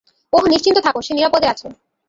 ওহ নিশ্চিন্ত থাক, সে নিরাপদে আছে।